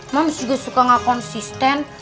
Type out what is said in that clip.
mams juga suka nggak konsisten